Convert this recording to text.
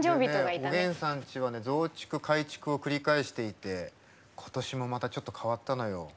おげんさんちは増築改築を繰り返していて、ことしもちょっと、また変わったのよ。